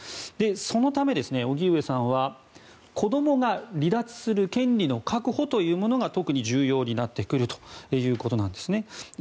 そのため、荻上さんは子供が離脱する権利の確保が特に重要になってくるということなんですね。